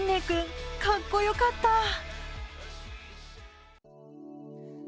君、かっこよかった！